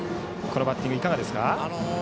このバッティングいかがですか？